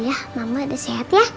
bisa ngeliat mama udah sehat ya